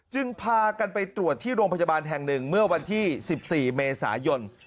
พากันไปตรวจที่โรงพยาบาลแห่งหนึ่งเมื่อวันที่๑๔เมษายน